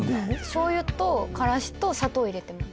醤油とからしと砂糖を入れてます。